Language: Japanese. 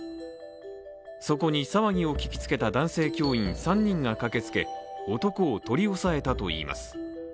そこに、騒ぎを聞きつけた男性教員３人が駆けつけ男を取り押さえたといいます。